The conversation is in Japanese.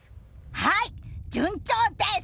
はい、順調です！